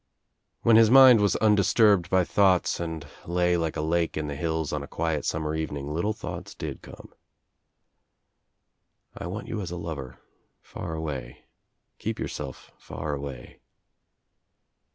When his mind was undisturbed by thoughts and lay like a lake in the hills on a quiet summer evening little thoughts did come. "I want you as a lover — far away. Keep yourself far away."